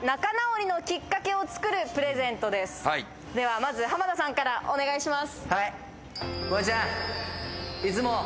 まず濱田さんからお願いします。